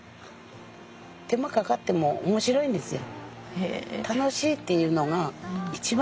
手間かかっても面白いんですよ。